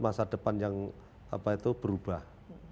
masa depan yang berubah